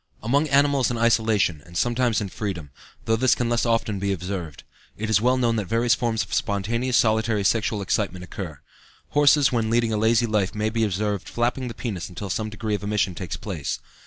Among animals in isolation, and sometimes in freedom though this can less often be observed it is well known that various forms of spontaneous solitary sexual excitement occur. Horses when leading a lazy life may be observed flapping the penis until some degree of emission takes place.